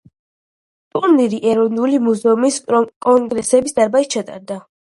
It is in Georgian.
ტურნირი ეროვნული მუზეუმის კონგრესების დარბაზში ჩატარდა.